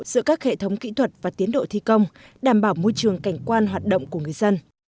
giữa các hệ thống kỹ thuật và tiến độ thi công đảm bảo môi trường cảnh quan hoạt động của người dân